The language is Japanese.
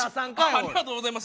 ありがとうございます。